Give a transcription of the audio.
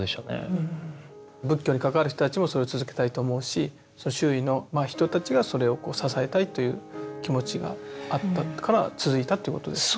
仏教に関わる人たちもそれを続けたいと思うしその周囲の人たちがそれを支えたいという気持ちがあったから続いたっていうことですね。